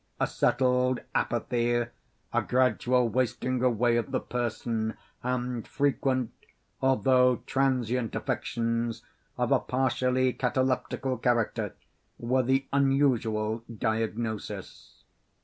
A settled apathy, a gradual wasting away of the person, and frequent although transient affections of a partially cataleptical character, were the unusual diagnosis.